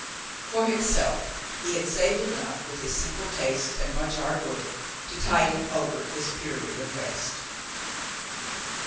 For himself, he had saved enough, with his simple tastes and much hard work, to tide him over this period of rest.